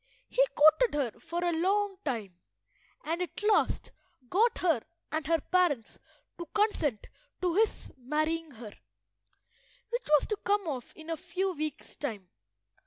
He courted her for a long time, and at last got her and her parents to consent to his marrying her, which was to come off in a few weeks' time.